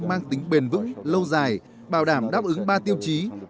mang tính bền vững lâu dài bảo đảm đáp ứng ba tiêu chí